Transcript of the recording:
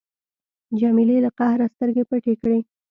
جمیلې له قهره سترګې پټې کړې.